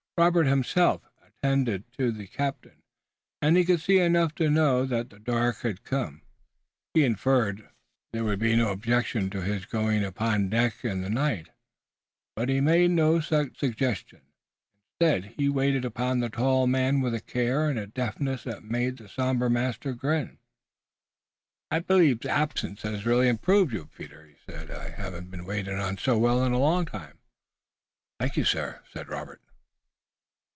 Robert himself attended to the captain, and he could see enough now to know that the dark had come. He inferred there would be no objection to his going upon deck in the night, but he made no such suggestion. Instead he waited upon the tall man with a care and deftness that made that somber master grin. "I believe absence has really improved you, Peter," he said. "I haven't been waited on so well in a long time." "Thank you, sir," said Robert.